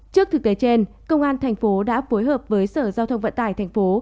trước thực tế trên công an thành phố đã phối hợp với sở giao thông vận tải thành phố